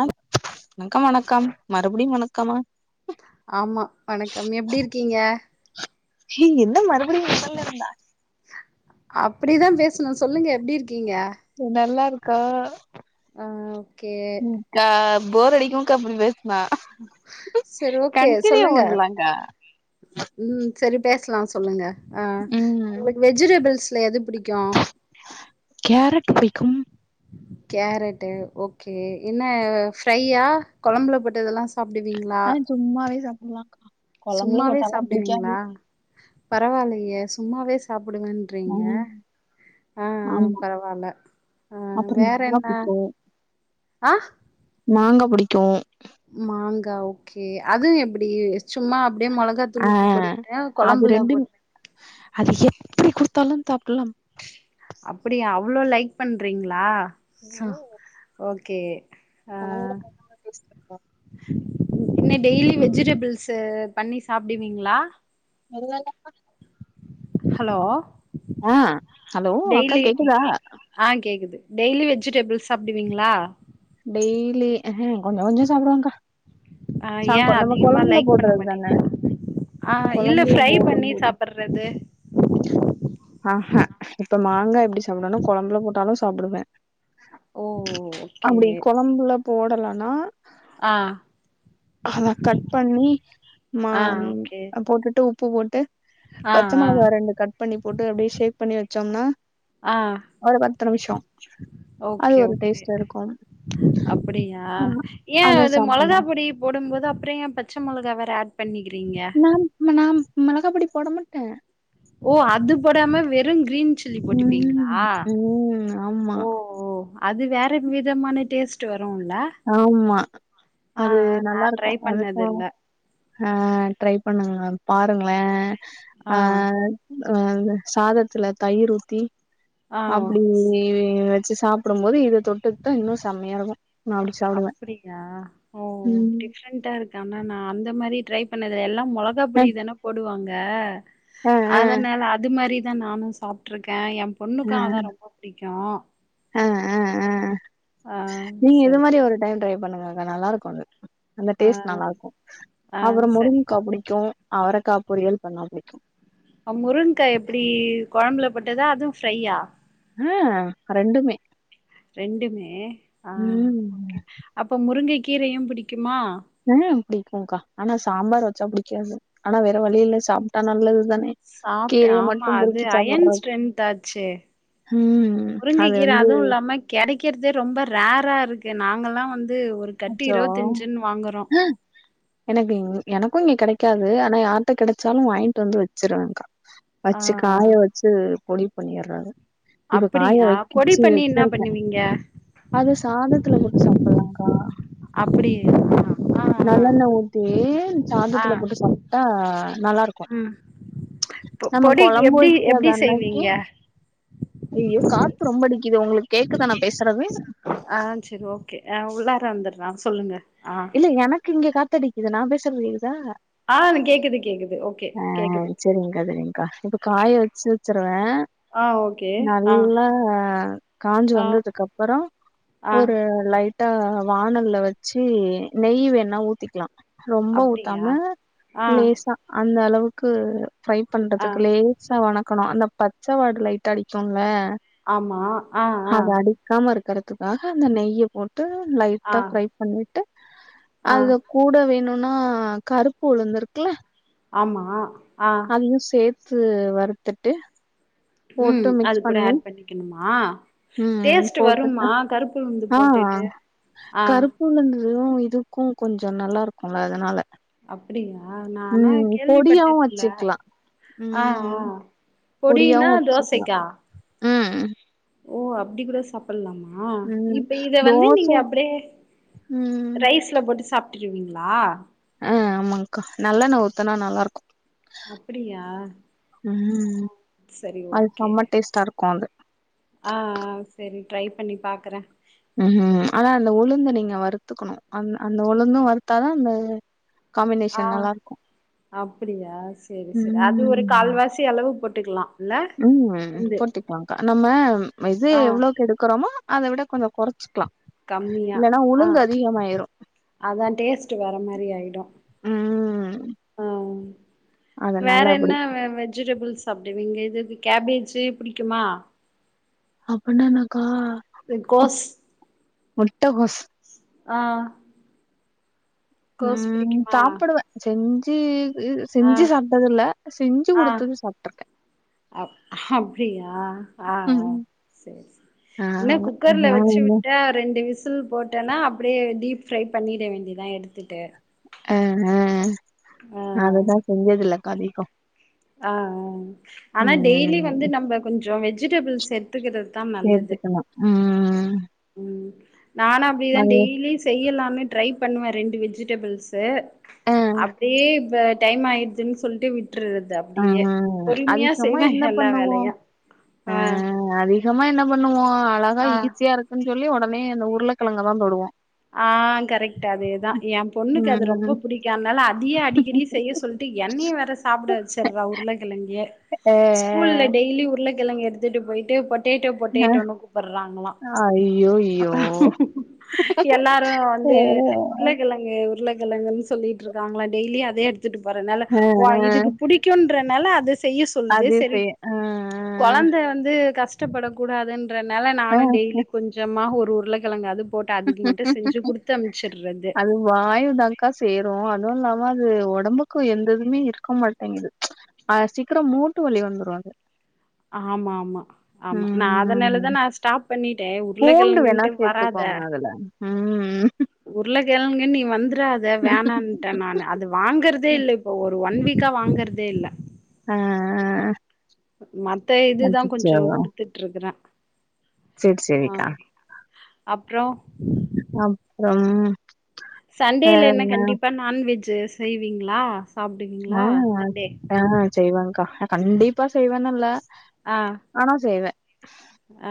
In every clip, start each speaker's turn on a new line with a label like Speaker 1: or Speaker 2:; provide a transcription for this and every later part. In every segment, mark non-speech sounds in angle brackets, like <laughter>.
Speaker 1: அ ணக்கம் வணக்கம் மறுபடியு வணக்கமா
Speaker 2: ஆமா வணக்கம் எப்டி இருக்கீங்க
Speaker 1: என்ன மறுபடியு மொதல்ல இருந்தா
Speaker 2: அப்டிதா பேசணு சொல்லுங்க எப்டி இருக்கீங்க
Speaker 1: நல்லா இருக்கோ
Speaker 2: ஆ ஓகே
Speaker 1: கா போர் அடிக்கு கா இப்படி பேசினா
Speaker 2: சரி ஓகே
Speaker 1: கண்டினியு
Speaker 2: சொல்லுங்க
Speaker 1: பண்ணலா கா
Speaker 2: ம் சரி பேசலா சொல்லுங்க ஆ
Speaker 1: ம்
Speaker 2: உங்களுக்கு வெஜிடெபிள்ஸ்ல எது பிடிக்கு
Speaker 1: கேரட் புடிக்கு
Speaker 2: கேரட்டு ஓகே என்ன ஃப்ரையா கொழம்புல போட்டதெல்லா சாப்பிடுவீங்களா
Speaker 1: ஆ சும்மாவே சாப்பிடலா கொழம்புல போட்டாலா புடிக்காது
Speaker 2: பரவா இல்லையே சும்மாவே சாப்பிடுவேன்
Speaker 1: ஆ
Speaker 2: ட்றேங்க ஆ ஆ
Speaker 1: ஆமா
Speaker 2: பரவா இல்ல ஆ
Speaker 1: அப்புறம்
Speaker 2: வேற
Speaker 1: மாங்கா
Speaker 2: என்ன
Speaker 1: புடிக்கும்
Speaker 2: ஆ
Speaker 1: மாங்கா புடிக்கு
Speaker 2: மாங்கா ஓகே அதுவு எப்டி சும்மா அப்டியே மொளகா
Speaker 1: ஆ
Speaker 2: தூள் உப்பு போட்டுட்டு
Speaker 1: அது
Speaker 2: கொழம்புல
Speaker 1: ரெண்டும்
Speaker 2: போட்டு
Speaker 1: அது எப்டி குடுத்தாலு தாப்புலாம்
Speaker 2: அப்டியா அவ்ளோ லைக் பண்றீங்களா சோ ஓகே ஆ
Speaker 1: கொழந்த <unintelligible>
Speaker 2: என்ன டெய்லி வெஜிடபிள்ஸ் பண்ணி சாப்பிடுவீங்களா
Speaker 1: <unintelligible>
Speaker 2: ஹலோ அ
Speaker 1: ஆ ஹலோ அக்கா
Speaker 2: டெய்லி கேக்குதா ஆ கேக்குது டெய்லி வெஜிடேபிள்ஸ் சாப்டுவீங்களா
Speaker 1: டெய்லி கொஞ்ச கொஞ்ச சாப்பிடுவேக்கா
Speaker 2: ஆ ஏ அதிகமா லைக் பண்ண
Speaker 1: போடுறது தான
Speaker 2: மாட்டிங்களா ஆ இல்ல
Speaker 1: கொழம்புல
Speaker 2: ஃப்ரை பண்ணி சாப்டுறது
Speaker 1: ஆ ஹ இப்ப மாங்காய் எப்டி சாப்பிடு வேணா கொழம்புல போட்டாலு சாப்பிடுவே
Speaker 2: ஓ ஓகே
Speaker 1: அப்டி கொழம்புல போடலனா
Speaker 2: ஆ
Speaker 1: அத கட் பண்ணி மா
Speaker 2: ஆ ஓகே
Speaker 1: போட்டுட்டு உப்பு போட்டு
Speaker 2: ஆ
Speaker 1: பச்ச
Speaker 2: ஆ
Speaker 1: மொளகா ரெண்டு கட் பண்ணி போட்டு அப்டியே ஷேக் பண்ணி வச்சோம்னா
Speaker 2: ஆ
Speaker 1: ஒரு பத்து நிமிஷோ அது ஒரு டேஸ்டா இருக்கு
Speaker 2: அப்பிடியா ஏ
Speaker 1: அத
Speaker 2: அது மொளகா
Speaker 1: சாப்டலா
Speaker 2: பொடி போடம்போது அப்புற ஏ பச்ச மொளகா வேற ஆட் பண்ணிக்கிறீங்க
Speaker 1: நாம் நாம் மிளகா பொடி போட மாட்டே
Speaker 2: ஓ அது போடாம வெறு கிரீன் சு சொல்லி
Speaker 1: ம்
Speaker 2: போட்டுப்பீங்களா
Speaker 1: ம் ஆமா
Speaker 2: ஓ ஓ அது வேற விதமான டேஸ்ட் வருல்ல
Speaker 1: ஆமா
Speaker 2: ஆ
Speaker 1: அது
Speaker 2: நா
Speaker 1: நல்லாருக்கு
Speaker 2: ட்ரை
Speaker 1: அதுக்கு
Speaker 2: பண்ணதில்ல
Speaker 1: அ ட்ரை பண்ணுங்ளே பாருங்களே ஆ அ சாதத்துல தயிர் ஊத்தி
Speaker 2: ஆ ஓ
Speaker 1: அப்டி வச்சு சாப் புடும்போது இத தொட்டுக்டா இன்னு செம்மையா இருக்கு நா அப்டி சாப்டுவே
Speaker 2: அப்டியா ஓ
Speaker 1: ம்
Speaker 2: டிப்ரெண்டா இருக்கு ஆனா நா அந்த மாரி ட்ரை பண்ணதுல்ல எல்லா
Speaker 1: அ
Speaker 2: மொளகாப்பொடி தான போடுவாங்க
Speaker 1: அ அ
Speaker 2: அதனால அது மாரி தா நானு சாப்ருக்க என் பொண்ணுக்கு அதான் ரொம்ப புடிக்கு
Speaker 1: அ அ அ
Speaker 2: ஆ
Speaker 1: நீங்க இது
Speaker 2: சரி
Speaker 1: மாரி ஒரு டைம் ட்ரை பண்ணுங்க அக்கா நல்லாருக்கு அது அந்த
Speaker 2: ஆ
Speaker 1: டேஸ்ட் நல்லாருக்கு
Speaker 2: ஆ
Speaker 1: அப்றோ
Speaker 2: சரி
Speaker 1: முருங்கக்கா புடிக்கு அவரக்கா பொரியல் பண்ணா புடிக்கு
Speaker 2: முருங்கா எப்டி கொழம்புல போட்டதா அதுவு ஃப்ரையா
Speaker 1: அ ரெண்டுமே
Speaker 2: ரெண்டுமே ஆ
Speaker 1: ம்
Speaker 2: ஓகே அப்ப முருங்க கீரையு பிடிக்குமா
Speaker 1: ம் பிடிக்குக்கா ஆனா சாம்பார் வச்சா பிடிக்காது ஆனா வேற வழி இல்ல சாப்ட்டா நல்லது தான
Speaker 2: சாப்ட்ட ஆமா அது அயன் ஸ்ட்ரென்த் ஆச்சே
Speaker 1: ம்.
Speaker 2: முருங்க
Speaker 1: அது
Speaker 2: கீர
Speaker 1: வந்து
Speaker 2: அதுவு இல்லாம கெடைக்கற்தே ரொம்ப ரேர்ரா இருக்கு நாங்கலா வந்து ஒரு கட்டி
Speaker 1: அச்சோ!
Speaker 2: இருவத்தஞ்சுன் வாங்கறோ
Speaker 1: எனக் இங் எனக்கு இங்க கெடைக்காது ஆனா யார்ட்ட கெடச்சாலு வாங்கிட்டு வந்து வச்சிருவங்க்கா
Speaker 2: ஆ
Speaker 1: வச்சு
Speaker 2: ஆ
Speaker 1: காய வச்சு பொடி பண்ணிட்றாரு இப்ப காய
Speaker 2: அப்படியா பொடி
Speaker 1: வக்கிச்சு
Speaker 2: பண்ணி என்ன
Speaker 1: வச்சர்க்க
Speaker 2: பண்ணுவீங்க
Speaker 1: அது சாதத்துல போட்டு சாப்புட்லா கா
Speaker 2: அப்படி ஆ ஆ
Speaker 1: நல்லண்ண ஊத்தி
Speaker 2: ஆ ஆ
Speaker 1: சாதத்துல போட்டு சாப்ட்டா நல்லாருக்கு
Speaker 2: ம் பொ
Speaker 1: நம்ம
Speaker 2: பொடி
Speaker 1: கொழம்பு
Speaker 2: எப்டி
Speaker 1: வக்காத
Speaker 2: எப்டி
Speaker 1: அன்னக்கி
Speaker 2: செய்வீங்க
Speaker 1: ஐய்யோ காத்து ரொம்ப அடிக்குது உங்களுக் கேக்குதா நா பேசுறது
Speaker 2: ஆ செரி ஓகே உள்ளார வந்துட்ற சொல்லுங்க ஆ
Speaker 1: இல்ல எனக்கு இங்க காத்தடிக்குது நா பேசுறது கேக்குதா
Speaker 2: ஆ கேக்குது கேக்குது ஓகே
Speaker 1: ஆ
Speaker 2: கேக்குது
Speaker 1: சரிங்க்கா சரிங்க்கா இப்ப காய வச்சு வச்சருவ
Speaker 2: ஆ ஓகே ஆ
Speaker 1: நல்லா காஞ்சு
Speaker 2: ஆ
Speaker 1: வந்ததுக்கப்பறோ
Speaker 2: ஆ
Speaker 1: ஒரு லைட்டா வானல்ல வச்சு நெய் வேணா ஊத்திக்லா ரொம்ப
Speaker 2: அப்டியா
Speaker 1: ஊத்தாம
Speaker 2: ஆ
Speaker 1: லேசா அந்தளவுக்கு ஃப்ரை
Speaker 2: ஆ
Speaker 1: பண்றதுக்குல்லயே சா வணக்கணு அந்த பச்சவாட லைட்டா அடிக்குல்ல
Speaker 2: ஆமா ஆ ஆ
Speaker 1: க்காம இருக்கறதுக்காக அந்த நெய்ய போட்டு
Speaker 2: ஆ
Speaker 1: லைட்டா ஃப்ரை பண்ணி
Speaker 2: ஆ
Speaker 1: அது கூட வேணுன்னா கருப்பு உழுந்து இருக்குல
Speaker 2: ஆமா ஆ
Speaker 1: இதையு சேத்து வறுத்துட்டு போட்டு மிக்ஸ் பண்ணி
Speaker 2: க்கனுமா
Speaker 1: ம்
Speaker 2: டேஸ்ட்டு
Speaker 1: போட்டுட்டு
Speaker 2: வரும்மா கருப்பு உழுந்து
Speaker 1: ஆ
Speaker 2: போட்டுட்டு ஆ
Speaker 1: கருப்பு உளுந்தும் இதுக்கு கொஞ்ச நல்லா இருக்குல்ல அதனால
Speaker 2: அப்டியா நா ஆனா
Speaker 1: ம் பொடியாவு
Speaker 2: கேள்விப்பட்டதில்ல
Speaker 1: வச்சுக்லா
Speaker 2: ஆ ஆ
Speaker 1: ம் பொடியாவு
Speaker 2: பொடினா
Speaker 1: வச்சுக்கலா
Speaker 2: தோசைக்கா
Speaker 1: ம் ம்
Speaker 2: ஓ அப்டி கூட சாப் பலாமா
Speaker 1: ம்
Speaker 2: இப்ப இத வந்து நீங்க
Speaker 1: தோசை
Speaker 2: அப்டியே
Speaker 1: ம்
Speaker 2: ரைஸ் ட்ல போட்டு சாப்ட்டுருவீங்ளா
Speaker 1: அ ஆமாங்க்கா நல்லெண்ண ஊத்துனா நல்லார்க்கு
Speaker 2: அப்டியா
Speaker 1: ம்
Speaker 2: சரி ஓகே
Speaker 1: கொழ்ந்த
Speaker 2: அ அ சரி ட்ரைப் பண்ணி பாக்குற
Speaker 1: ம் ம் ஆனா அந்த உளுந்த நீங்க வறுத்துக்குனு அந் அந்த உளுந்து வறுத்தாதா அந்த
Speaker 2: ஆ
Speaker 1: காம்பினேஷன் நல்லாருக்கு
Speaker 2: அப்டியா செரி செர் அது ஒரு
Speaker 1: ம்
Speaker 2: கால்வாசி அளவு போட்டுக்லா
Speaker 1: ம் போட்டுக்லாங்க்கா நம்ம இது
Speaker 2: ஆ
Speaker 1: எவ்ளோக்கு எடுக்கறோமோ அத விட கொஞ்சொ கொறச்சுக்கலா
Speaker 2: கம்மியா
Speaker 1: இல்லனா
Speaker 2: ஆ
Speaker 1: உளுந்து அதிகமாயிரு
Speaker 2: அதா டேஸ்ட்டு வேற மாரி ஆயிடு
Speaker 1: ம்
Speaker 2: அம் வேற
Speaker 1: அதனால அப்டி
Speaker 2: என்ன வெ வெஜிடபிள்ஸ் சாப்டிவீங்க இதுது கேபேஜ் புடிக்குமா
Speaker 1: அப்புனா என்னாக்கா
Speaker 2: இது கோஸ்
Speaker 1: முட்டகோஸ்
Speaker 2: ஆ கோஸ்
Speaker 1: ம்
Speaker 2: புடிக்குமா
Speaker 1: சாப்புடுவ செஞ்சு ஹ்
Speaker 2: ஆ
Speaker 1: செஞ்சு சாப்ட்டதில்ல செஞ்சு
Speaker 2: ஆ
Speaker 1: குடுத்தத சாப்ட்ருக்க
Speaker 2: அப் அப்டியா அ அ
Speaker 1: ம்.
Speaker 2: சேர் சேர் என்ன
Speaker 1: ஆமா.
Speaker 2: குக்கர்ல
Speaker 1: நான்
Speaker 2: வெச்சி
Speaker 1: வந்து
Speaker 2: விட்டா ரெண்டு விசில் போட் ட்டனா அப்டியே டீப் ஃப்ரை பண்ணிட வேண்டிதா எடுத்துட்டு
Speaker 1: அ ஹ
Speaker 2: ஆ
Speaker 1: அததா செஞ்சதில்லக்கா அதிகோ
Speaker 2: அ அ ஆனா டெய்லி வந்து
Speaker 1: ம்.
Speaker 2: நம்ப கொஞ்சொ வெஜிடபிள்ஸ் எடுத்துக்கறது
Speaker 1: சேத்துக்கணு ம் ம்
Speaker 2: ம் நானு அப்டி தா
Speaker 1: அது
Speaker 2: டெய்லி செய்யலானு ட்ரை பண்ணுவ ரெண்டு வெஜிடபிள்ஸு
Speaker 1: ஆ.
Speaker 2: அப்டியே இப்ப டைம் ஆயிடுதுன் சொல்ட்டு விட்டுர்றது
Speaker 1: அ அ அதிகமா என்ன
Speaker 2: எல்லா
Speaker 1: பண்ணுவோ
Speaker 2: வேலையு
Speaker 1: அ
Speaker 2: ஆ
Speaker 1: அ அதி கமா என்ன பண்ணுவோ அழகா
Speaker 2: ஆ
Speaker 1: ஈஸியா இருக்குன் சொல்லி ஒடனே அந்த உருளக்கெழங்கதா தொடுவோ
Speaker 2: ஆ கரெக்ட் அதேதா எம்பொண்ணுக்கு அது
Speaker 1: ம்.
Speaker 2: ரொம்ப புடிக் கி அனால அதியே அடிக்கடி செய்ய சொல்ட்டு என்னயே வேற சாப்ட வச்சர்றா உருளகெழங்கயே
Speaker 1: அ
Speaker 2: ஸ்கூல்ல டெய்லி உருளக்கெழங்கு எடுத்துட்டு போயிட்டு பொட்டேட்டோ பொட்டேட்டோனு கூப்புட்றாங்களா
Speaker 1: அய்யோய்
Speaker 2: எல்லாரு
Speaker 1: அ,
Speaker 2: வந்து உருளக்கெழங் கு உருளக்கெழங்குன்னு சொல்லிட்ருக்காங்களா டெய்லியு அதே எடுத்துட்டு போறனால
Speaker 1: அ.
Speaker 2: ஒ இதுக்கு புடிக் க்குன்றனால அத செய்ய சொல்து
Speaker 1: அது
Speaker 2: செரி
Speaker 1: செய் அ, அ.
Speaker 2: கொழந்த வந்து கஷ்டப்படக் கூடாதுன்றனால
Speaker 1: அ
Speaker 2: நானு டெய்லி கொஞ்சமா ஒரு உருளக்கெழங்க அதுப் போட்டு அதுக்கு மட்டு செஞ்சு குடுத்து அனுப்ச்சரது
Speaker 1: வாயுதாக்கா சேரு அதுவு இல்லாம அது ஒடம்புக்கு எந்ததுமே இருக்க மாட்டேங்குது அ சீக்ரோ மூட்டு வலி வந்துரு அது
Speaker 2: ஆமாமா ஆமா நா அதனாலதா
Speaker 1: ம்
Speaker 2: நா ஸ்டாப் பண்ணிட்டே உருளக்கெழங்குன்ட்டு வராத
Speaker 1: ம் ம்
Speaker 2: உருளகெழங்குன்னு நீ வந்துராத வேணான் ட்டேன் நானு அது வாங்குறதேல்ல இப்போ ஒரு ஒன் வீக்கா வாங்குறதேல்ல
Speaker 1: ஆ
Speaker 2: மத்த இதுதா
Speaker 1: அச்சச்சோ
Speaker 2: கொஞ்சோ குடுத் துட்ருக்கறேன்
Speaker 1: சேரி
Speaker 2: அ
Speaker 1: சேரிக்கா
Speaker 2: அப்றோ
Speaker 1: அப்றோம்
Speaker 2: சண்டேல என்ன கண்டிப்பா நான்வெஜு செய்வீங்ளா
Speaker 1: அ அ செய்வங்க்கா ஆனா கண்டிப்பா செய்வன்னில்ல ஆனா செய்வேன்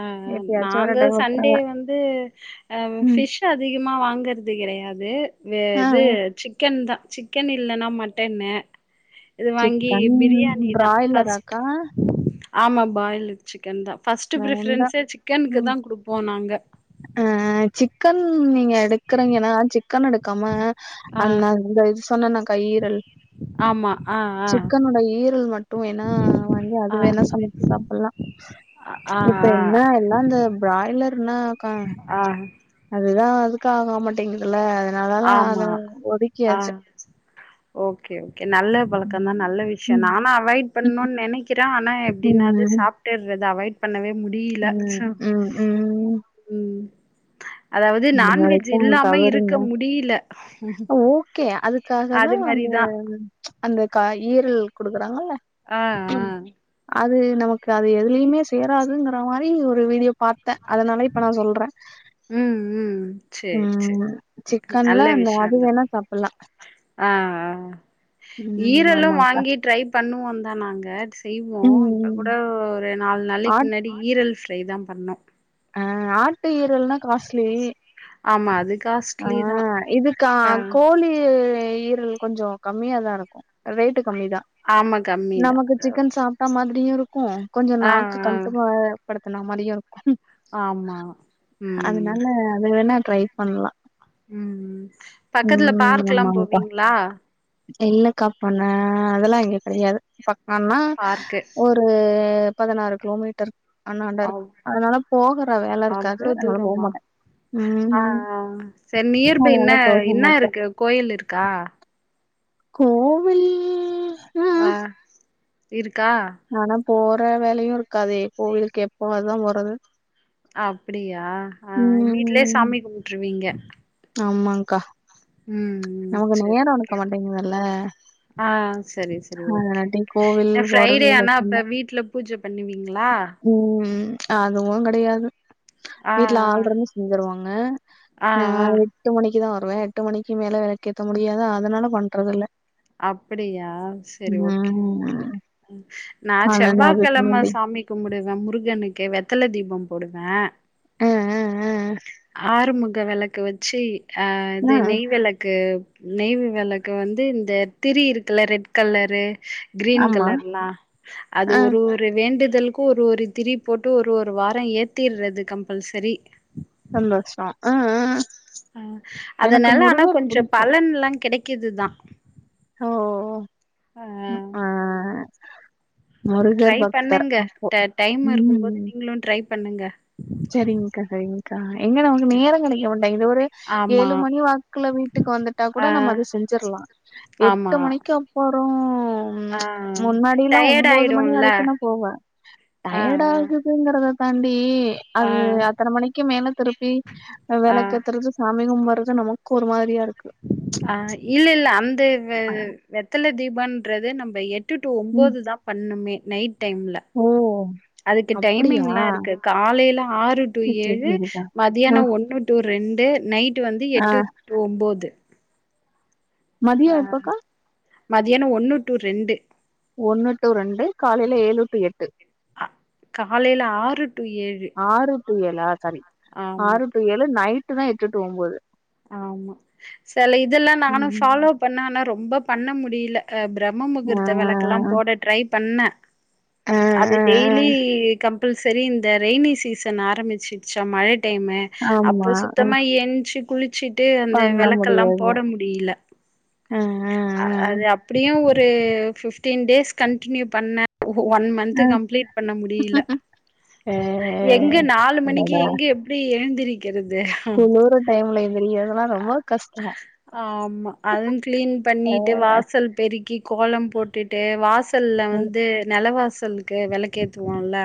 Speaker 2: அ அ நாங்க சண்டே
Speaker 1: விட்ருவே
Speaker 2: வந்து அ
Speaker 1: ம்
Speaker 2: ஃபிஷ் அதிகமா வாங்கறது கெடையாது வே
Speaker 1: ஆ
Speaker 2: இது சிக் சிக்கன்தா சிக்கன் இல்லனா மட்டனு இது வாங்கி
Speaker 1: சிக்கன்
Speaker 2: பிரியாணி தான் ஃபஸ்ட்
Speaker 1: பிராய்லராக்கா
Speaker 2: ஆமாம் பாயிலர் சிக்கன் தான் ஃபஸ்ட்டு
Speaker 1: வேண்டா
Speaker 2: ப்ரிஃபரன்ஸே சிக்கனுக்கு தான் குடுப்போம் நாங்க
Speaker 1: ஆ சிக்கன் நீங்க எடு க்குறீங்கன்னா சிக்கன் எடுக்காம
Speaker 2: ஆ
Speaker 1: அன் இந்த இது சொன்னேனா கா ஈறல்
Speaker 2: ஆமா ஆ ஆ
Speaker 1: சிக்கனோட ஈரல் மட்டும் என்னா வாங்கி அது
Speaker 2: ஆ
Speaker 1: வேணா சமைச்சு சாப்டலாம்
Speaker 2: ஆ ஆ
Speaker 1: இப்ப என்ன எல்லாம் இந்த பிராய்லர்னாக்கா
Speaker 2: ஆ
Speaker 1: அதுதான் எதுக்கு ஆகமாட்டேங்குதுல்ல அதனாலலா
Speaker 2: ஆமா
Speaker 1: அத
Speaker 2: ஆ
Speaker 1: ஒதுக்கியாச்சு
Speaker 2: ஓகே ஓகே நல்ல பழக்கம் தா
Speaker 1: ம்
Speaker 2: நல்ல விஷ்யம்
Speaker 1: ம்
Speaker 2: நானு அவாய்ட் பண்ணும்னு நெனைக்கிறேன் ஆனா அப்டின்னது
Speaker 1: ம்
Speaker 2: சாப்டேறது அவாய்ட் பண்ணவே முடியல
Speaker 1: ம்
Speaker 2: ச
Speaker 1: ம் ம்
Speaker 2: உம் அதாவது
Speaker 1: இது
Speaker 2: நான்வெஜ்
Speaker 1: வரைக்கு
Speaker 2: இல்லாம இருக்க
Speaker 1: தவறுங்க
Speaker 2: முடியல
Speaker 1: ஓகே அதுக்காக
Speaker 2: அது
Speaker 1: தான் அந்த
Speaker 2: மாரிதா
Speaker 1: அந்த கா ஈரல் குடுக்குறாங்கல்ல
Speaker 2: ஆ ஆ
Speaker 1: அது நமக்கு அது எதுலயுமே சேராதுங்கற மாதிரி ஒரு வீடியோ பாத்தேன் அதனால இப்ப நா சொல்றே
Speaker 2: உம் உம் சேரி சேரி
Speaker 1: ம் சிக்கன்ல
Speaker 2: நல்ல
Speaker 1: அந்த அது
Speaker 2: விஷயம்தான்
Speaker 1: வேணா சாப்புட்லா
Speaker 2: ஆ ஆ
Speaker 1: ம்
Speaker 2: ஈரலும்
Speaker 1: ஆமாங்க்கா
Speaker 2: வாங்கி ட்ரை பண்ணுவோம் தான் நாங்க செய்வோம் இப்ப
Speaker 1: ம்
Speaker 2: கூட ஒரு நாலு நாளைக்கு
Speaker 1: ஆட்
Speaker 2: முன்னாடி ஈரல் ஃப்ரை தான் பண்ணோம்
Speaker 1: அ ஆட்டு ஈரல்னா காஸ்ட்லி
Speaker 2: ஆமா அது காச
Speaker 1: ஆ இதுக்கு கோழி ஈரல் கொஞ்சோம் கம்மியா தா இருக்கும் ரேட்டு கம்மி தான்
Speaker 2: ஆமா கம்மிதா
Speaker 1: நமக்கு சிக்கன் சாப் ட்ட மாதிரியும் இருக்கும் கொஞ்சம்
Speaker 2: ஆ ஆ
Speaker 1: நாக்கு கட்டும ப்படுத்தினா மாதிரியும் இருக்கும்
Speaker 2: ஆமா ம்
Speaker 1: அதனால அது வேணா ட்ரை பண்ணலாம்
Speaker 2: உம் பக்கத்துல பார்க் எல்லாம்
Speaker 1: ஆமாங்க்கா
Speaker 2: போவீங்களா
Speaker 1: இல்லக்கா பண்ண அதெல்லாம் இங்க கெடையாது பக்கம்னா
Speaker 2: பார்க்கு
Speaker 1: ஒரு உம் பதினாறு கிலோமீட்டர் அண்ணாடா
Speaker 2: அவ்
Speaker 1: இருக்கு அதனால போகற வேலை இருக்காது
Speaker 2: அவ்ளோ
Speaker 1: அதனால
Speaker 2: தூரமா
Speaker 1: போகல
Speaker 2: ஆ ஆ சரி நியர்பை என்ன
Speaker 1: போக
Speaker 2: என்ன
Speaker 1: மாட்டோ
Speaker 2: இருக்கு கோயில் இருக்கா
Speaker 1: கோவில்
Speaker 2: ஆ
Speaker 1: ம்
Speaker 2: இருக்கா
Speaker 1: ஆனா போற வேலையும் இருக்காதே கோவிலுக்கு எப்போ அதுதான் போறது
Speaker 2: அப்டியா ஆ வீட்லயே சாமி கும்புட்ருவீங்க
Speaker 1: ஆமாங்கா
Speaker 2: ம் ம்
Speaker 1: நமக்கு
Speaker 2: சரி
Speaker 1: நேரோ இருக்க
Speaker 2: ஓகே
Speaker 1: மாட்டேங்குதல்ல
Speaker 2: ஆ சரி சரி ஓகே
Speaker 1: கோவில்
Speaker 2: அ
Speaker 1: போறது
Speaker 2: ஃப்ரைடே ஆனா அப்ப
Speaker 1: கஷ்டந்தா
Speaker 2: வீட்ல பூஜ பண்ணுவீங்களா
Speaker 1: ம் அதுவு கெடையாது
Speaker 2: ஆ
Speaker 1: வீட்டுல ஆள் இருந்தா
Speaker 2: ஆ
Speaker 1: செஞ்தருவாங்க
Speaker 2: ஆ
Speaker 1: நா
Speaker 2: ஆ
Speaker 1: எட்டு மணிக்கு தா வருவே எட்டு மணிக் கு மேல வெளக்கேத்த முடியாதா அதனால பண்றதில்ல
Speaker 2: அப்டியா சேரி ஓகே
Speaker 1: ம்
Speaker 2: நா
Speaker 1: அதனால அதுக்கு
Speaker 2: செவ்வாக்கெழம
Speaker 1: முன்னாடி
Speaker 2: சாமி கும்புடுவே முருகனுக்கு வெத்தல தீப போடுவே
Speaker 1: அ அ
Speaker 2: ஆறுமுக வெளக்கு வச்சு ஆ
Speaker 1: அ அ
Speaker 2: இது நெய் வெளக்கு நெய் வெளக்கு வந்து இந்த திரி இருக்குல ரெட் கலரு கிரீன்
Speaker 1: ஆமா
Speaker 2: கலர்லா அது
Speaker 1: அ
Speaker 2: ஒரு ஒரு வேண்டுதல்க்கு ஒரு ஒரு திரி போட்டு ஒரு ஒரு வார ஏத்திட்றது கம்பல்சரி
Speaker 1: சந்தோஷம் அ அ எனக்கு
Speaker 2: அதனால ஆனா
Speaker 1: முருகர்
Speaker 2: கொஞ்சொ
Speaker 1: புடிக்கும்
Speaker 2: பலன்ல்லா கெடைக்குதுதா
Speaker 1: ஓஓ ம் அஅ
Speaker 2: ட்ரை பண்ணுங்க டைம் இருக்கும் போது
Speaker 1: ம்
Speaker 2: நீங்களும் ட்ரை பண்ணுங்க
Speaker 1: சரிங்க்கா சரிங்க்கா எங்க நமக்கு நேர கெடைக்க மாட்டேங்குது இது ஒரு
Speaker 2: ஆமா.
Speaker 1: ஏழு மணி வாக்குல வீட்டுக்கு வந்துட்டா கூட
Speaker 2: ஆ
Speaker 1: நம்ம அத செஞ்சிர்லா
Speaker 2: ஆமா.
Speaker 1: எட்டு மணிக்கு அப்பறொ ம்
Speaker 2: ஆ
Speaker 1: முன்னாடில்லா
Speaker 2: டயர்ட்
Speaker 1: ஒம்போது மணி
Speaker 2: ஆயிடும்ல.
Speaker 1: வரைக்குன்னா போவே
Speaker 2: ஆ
Speaker 1: டயர்டா ஆகு ங்கறத தாண்டி
Speaker 2: ஆ
Speaker 1: அது அத்தன மணிக்கு மேல திருப்பி
Speaker 2: ஆ ஆ.
Speaker 1: வெளக்கேத்துறது சாமி கும்பர்து நமக்கு ஒரு மாரியா இருக்கு
Speaker 2: அ இல்ல இல்ல அந்த வெ வெத்தல தீபன்றது நம்ம எட்டு எட்டு டூ
Speaker 1: ம்
Speaker 2: ஒம்போது தா பண்ணுமே நைட் டைம்ல
Speaker 1: ஓ
Speaker 2: அதுக்கு
Speaker 1: அப்படியா?
Speaker 2: டைமிங்லா இருக்கு காலையில ஆறு டு
Speaker 1: சரி, சரி,
Speaker 2: ஏழு
Speaker 1: சரிக்கா. அ,
Speaker 2: மதியானம் ஒன் னு டு ரெண்டு நைட் வந்து
Speaker 1: ஆ
Speaker 2: எட்டு டூ ஒம்போது ஆ
Speaker 1: மதியம் எப்பக்கா?
Speaker 2: மதியானம் ஒன்னு டூ ரெண்டு
Speaker 1: ஒன்னு டு ரெண்டு காலையில ஏழு டூ எட்டு
Speaker 2: காலையில ஆறு டு ஏழு
Speaker 1: ஆறு டு ஏழா சாரி
Speaker 2: ஆமா
Speaker 1: ஆறு டு ஏழு நைட்டு தா எட்டுட்டு ஒம்போது
Speaker 2: செல இதெல்லா நானும் ஃபாலோ
Speaker 1: ம்.
Speaker 2: பண்ணே ஆனா ரொம்ப பண்ண முடியல பிரம்ம
Speaker 1: ஆ,
Speaker 2: முகூர்த்த வெளக்கெல்லா போட ட்ரை பண்ணே
Speaker 1: ஆ,
Speaker 2: அது
Speaker 1: ஆ, ஆ.
Speaker 2: டெய்லி கம் ப்பல்சரி இந்த ரெய்னி சீசன் ஆரம்பிச்சிடுச்சா மழ டைமு அப்போ
Speaker 1: ஆமா. அ
Speaker 2: சுத்தமா எஞ்சு குளிச்சுட்டு அந்த
Speaker 1: பண்ண
Speaker 2: விளக்கெல்லாம் போட முடியல
Speaker 1: ஆஹ
Speaker 2: அது அப்டியு ஒரு பிஃப்டீன் டேஸ் கண்டினியூ பண்ணே ஒன் மன்த் கம்ப்ளீட் பண்ண முடியில
Speaker 1: அ. அ,
Speaker 2: எங்க நாலு மணிக்கு
Speaker 1: அடடா!
Speaker 2: எங்க எப்டி எழுந்திருக்கிறது
Speaker 1: குளுரு டைம்ல எந்திரிக்கறதுல்லா ரொம்ப கஷ்டோ
Speaker 2: ஆமா அதுவும் கிளீன் பண்ணிட்டு வாசல் பெரி க்கி கோலம் போட்டுட்டு வாசல்ல
Speaker 1: ம்.
Speaker 2: வந்து நெல வாசலுக்கு வெளக்கேத்துவோல்ல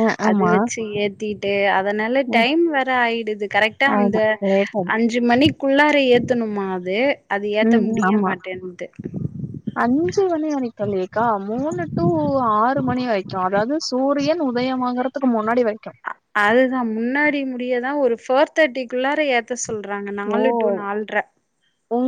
Speaker 1: அ,
Speaker 2: அது
Speaker 1: ஆமா.
Speaker 2: வச்சு ஏத்தி ட்டு அதனால
Speaker 1: ம்.
Speaker 2: டைம் வேர ஆயிடுது கரெக்டா அந்த
Speaker 1: ஆயிடும். லேட் ஆயிடும்.
Speaker 2: அஞ் அஞ்சு மணிக்குள்ளார ஏத்தனுமா அது அது ஏத்த
Speaker 1: ம்,
Speaker 2: முடிய
Speaker 1: ஆமா.
Speaker 2: மாட்டேன்னுது
Speaker 1: அஞ்சு மணி வரைக்கு இல்லேக்கா மூணு டு ஆறு மணி வரைக்கு அதாவுது சூரியன் உதயமாகற துக்கு முன்னாடி வரைக்கு
Speaker 2: அதுதா முன்னாடி முடியதா ஒரு ஃபோர் தேர்ட்டி குள்ளார ஏத்த சொல்றாங்க
Speaker 1: ஓ
Speaker 2: நாலு டூ நால்ட்ர
Speaker 1: உங்க